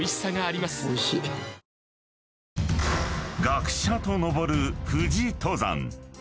［学者と登る富士登山］